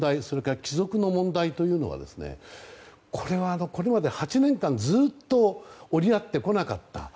それから帰属の問題というのはこれまで８年間ずっと折り合ってこなかった。